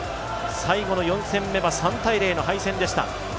最後の４戦目は３−０の敗戦でした。